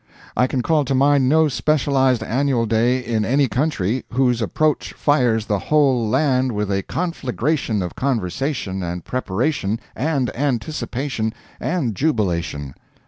I can call to mind no specialized annual day, in any country, whose approach fires the whole land with a conflagration of conversation and preparation and anticipation and jubilation.